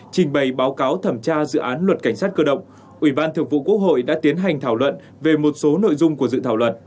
trình bày báo cáo thẩm tra dự án luật cảnh sát cơ động ủy ban thượng vụ quốc hội đã tiến hành thảo luận về một số nội dung của dự thảo luật